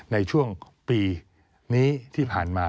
ในช่วงปีนี้ที่ผ่านมา